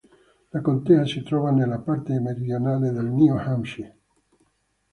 La contea si trova nella parte meridionale del New Hampshire.